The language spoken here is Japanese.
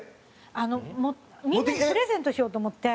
あのみんなにプレゼントしようと思って。